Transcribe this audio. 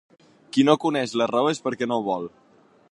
Qui no coneix la raó és perquè no vol.